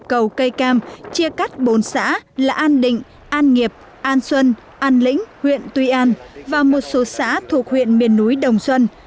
cây cầu cây cam chia cắt bốn xã là an định an nghiệp an xuân an lĩnh huyện tuy an và một số xã thuộc huyện miền núi đồng xuân